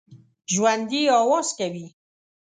ژوندي آواز کوي